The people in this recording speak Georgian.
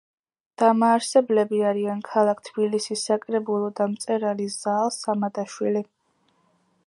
დამაარსებლები არიან: ქალაქ თბილისის საკრებულო და მწერალი ზაალ სამადაშვილი.